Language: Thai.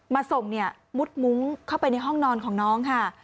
มาส่งเนี่ยมุดมุ้งเข้าไปในห้องนอนของน้องค่ะ